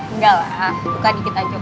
enggak lah buka dikit aja